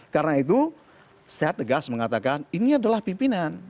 karena itu saya tegas mengatakan ini adalah pimpinan